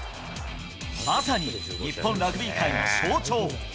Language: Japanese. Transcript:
まさに日本ラグビー界の象徴。